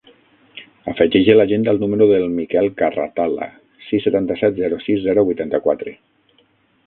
Afegeix a l'agenda el número del Miquel Carratala: sis, setanta-set, zero, sis, zero, vuitanta-quatre.